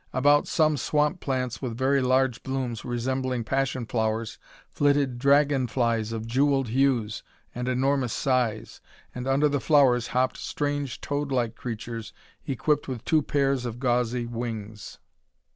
About some swamp plants with very large blooms resembling passion flowers, flitted dragon flies of jeweled hues and enormous size, and under the flowers hopped strange toadlike creatures equipped with two pair of gauzy wings.